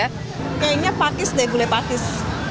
kayaknya pakis deh gulai pakis